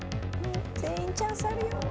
全員チャンスあるよ。